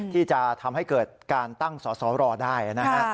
ที่จะทำให้เกิดการตั้งสอสอรอได้นะฮะ